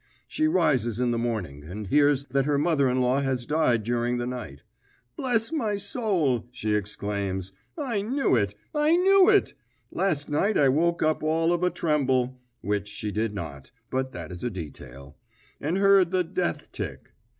She rises in the morning, and hears that her mother in law has died during the night. 'Bless my soul!' she exclaims. 'I knew it, I knew it! Last night I woke up all of a tremble' (which, she did not, but that is a detail) 'and heard the death tick!'